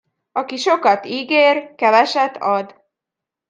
Aki sokat ígér, keveset ad.